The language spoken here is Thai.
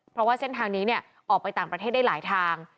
เพราะว่าเส้นทางนี้ออกไปต่างประเทศได้หลายทาง